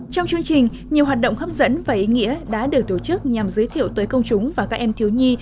trong chương trình nhiều hoạt động hấp dẫn và ý nghĩa đã được tổ chức nhằm giới thiệu tới công chúng và các em thiếu nhi